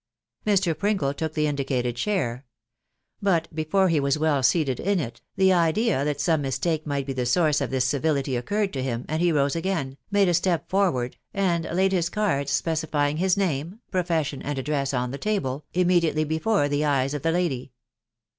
Mr. Pringle took the indicated chair ; but before he was well seated in it, the idea that some mistake might be the source of this civility occurred to him, and he rose again, made a step forward, and laid his card, specifying his name, profession, and address, on the table, immediately before the eyes of the lady.